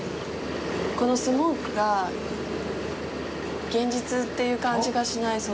このスモークが現実という感じがしない。